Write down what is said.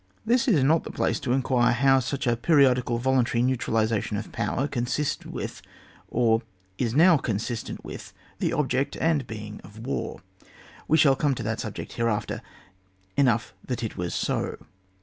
This is not the place to enquire how such a periodical voluntary neutralisation of power consisted with, or is now con sistent with the object and being of war ; we shall come to that subject hereafter. Enough that it was so.